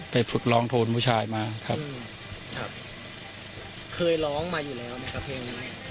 ฝึกร้องโทนผู้ชายมาครับครับเคยร้องมาอยู่แล้วไหมครับเพลงนี้